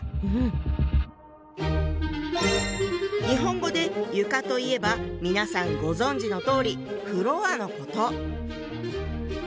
日本語で「床」といえば皆さんご存じのとおり「フロア」のこと。